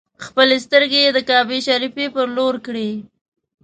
خپلې سترګې یې د کعبې شریفې پر لور کړې.